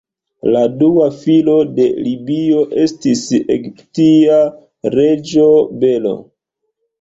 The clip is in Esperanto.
La dua filo de Libio estis egiptia reĝo Belo.